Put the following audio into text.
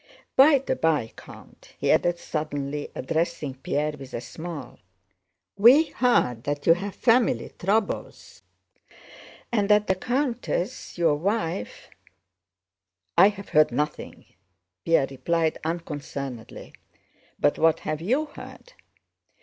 By the by, Count," he added suddenly, addressing Pierre with a smile, "we heard that you have family troubles and that the countess, your wife..." "I have heard nothing," Pierre replied unconcernedly. "But what have you heard?"